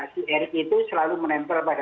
si erik itu selalu menempel pada